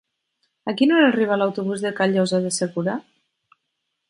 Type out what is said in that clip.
A quina hora arriba l'autobús de Callosa de Segura?